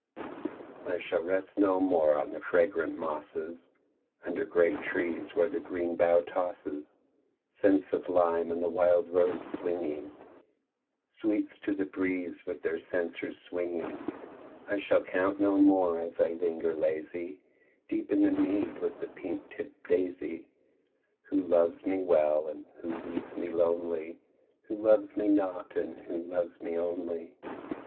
I SHALL rest no more on the fragrant mosses Under great trees where the green bough tosses Scents of the lime ; and the wUd rose flinging I shall count no more, as I linger lazy Deep in the mead, from the pink tipped daisy, "Who loves me well, and who leaves me lonely? Who loves me not, and who loves me only?''